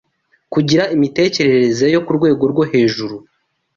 kugira imitekerereze yo ku rwego rwo hejuru